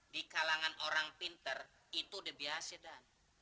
di kalangan orang pinter itu debiasnya dan